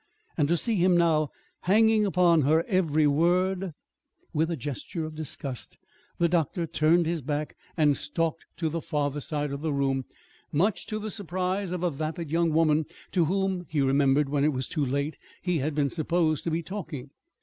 And to see him now, hanging upon her every word With a gesture of disgust the doctor turned his back and stalked to the farther side of the room, much to the surprise of a vapid young woman, to whom (he remembered when it was too late) he had been supposed to be talking.